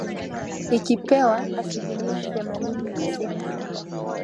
ikipewa asilimia themanini na sita